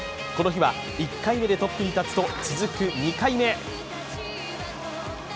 この日は１回目でトップに立つと、続く２回目。